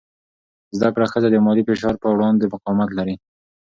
زده کړه ښځه د مالي فشار په وړاندې مقاومت لري.